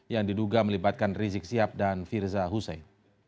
yang diduga melibatkan rizik sihab dan firza husein